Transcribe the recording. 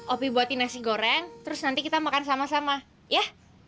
opi buatin nasi goreng terus nanti kita makan sama sama ya